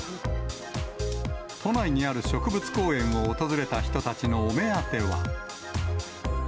都内にある植物公園を訪れた人たちのお目当ては。